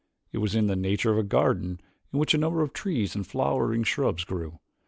It was in the nature of a garden in which a number of trees and flowering shrubs grew.